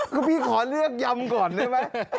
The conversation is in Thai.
ก็พี่ขอเลือกยำก่อนได้ไหม